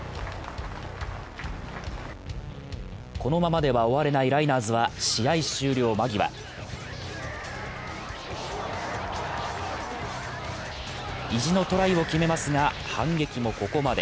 このままでは終われないライナーズは試合終了間際意地のトライを決めますが反撃もここまで。